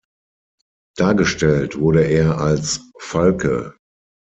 Dargestellt wurde er als Falke.